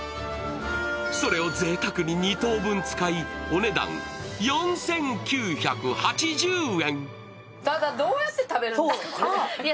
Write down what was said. それをぜいたくに２頭分使い、お値段４９８０円。